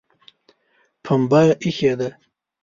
پمبه ایښې ده